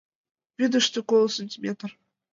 Вӱдыштӧ коло сантиметр...